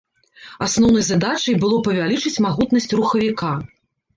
Асноўнай задачай было павялічыць магутнасць рухавіка.